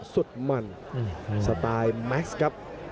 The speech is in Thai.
ทุกคนค่ะ